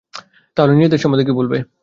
তা হলে নিজের দেশ সম্বন্ধে কী বলবে?